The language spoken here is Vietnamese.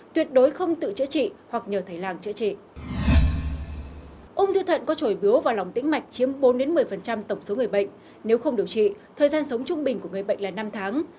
đến một mươi tổng số người bệnh nếu không điều trị thời gian sống trung bình của người bệnh là năm tháng